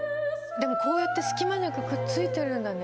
でもこうやって隙間なくくっついてるんだね！